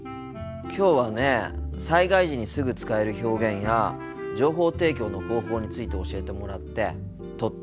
きょうはね災害時にすぐ使える表現や情報提供の方法について教えてもらってとっても勉強になったよ。